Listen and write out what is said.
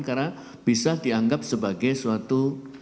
karena bisa dianggap sebagai suatu